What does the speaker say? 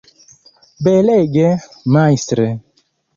Belege, majstre!